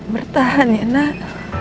bertahan ya nak